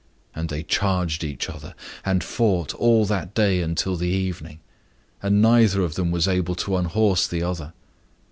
And they charged each other, and fought all that day until the evening. And neither of them was able to unhorse the other.